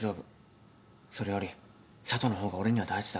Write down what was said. それより佐都の方が俺には大事だから。